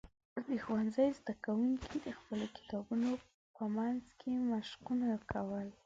د ښوونځي زده کوونکي د خپلو کتابونو په منځ کې مشقونه کول.